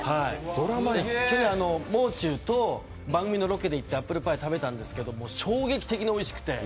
もう中と番組のロケで行ってアップルパイ食べたんですけど衝撃的においしくて。